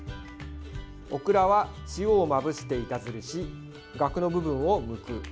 オクラは塩をまぶして板ずりしがくの部分をむく。